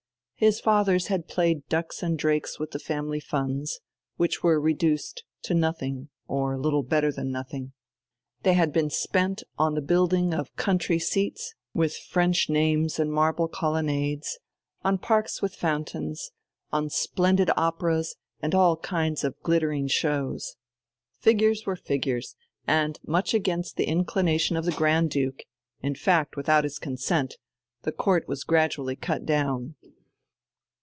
His fathers had played ducks and drakes with the family funds, which were reduced to nothing or little better than nothing. They had been spent on the building of country seats with French names and marble colonnades, on parks with fountains, on splendid operas and all kinds of glittering shows. Figures were figures, and, much against the inclination of the Grand Duke, in fact without his consent, the Court was gradually cut down.